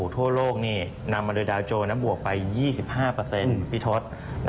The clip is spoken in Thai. ทั่วโลกนี่นำมาโดยดาวโจรบวกไป๒๕พี่ทศ